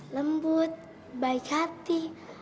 lembut baik hati